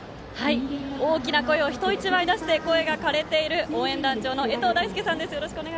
大きな声を人一倍出して声がかれている応援団長のえとうだいすけさんです。